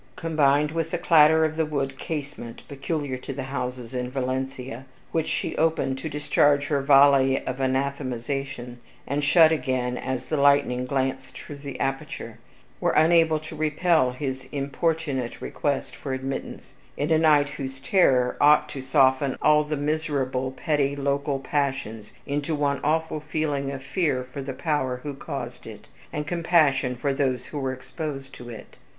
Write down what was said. combined with the clatter of the wooden casement (peculiar to the houses in Valencia) which she opened to discharge her volley of anathematization, and shut again as the lightning glanced through the aperture, were unable to repel his importunate request for admittance, in a night whose terrors ought to soften all the miserable petty local passions into one awful feeling of fear for the Power who caused it, and compassion for those who were exposed to it.